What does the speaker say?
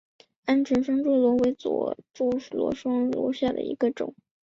鹌鹑双珠螺为左锥螺科双珠螺属下的一个种。